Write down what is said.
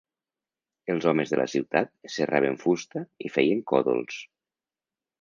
Els homes de la ciutat serraven fusta i feien còdols.